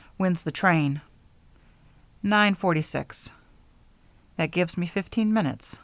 When's the train?" "Nine forty six." "That gives me fifteen minutes.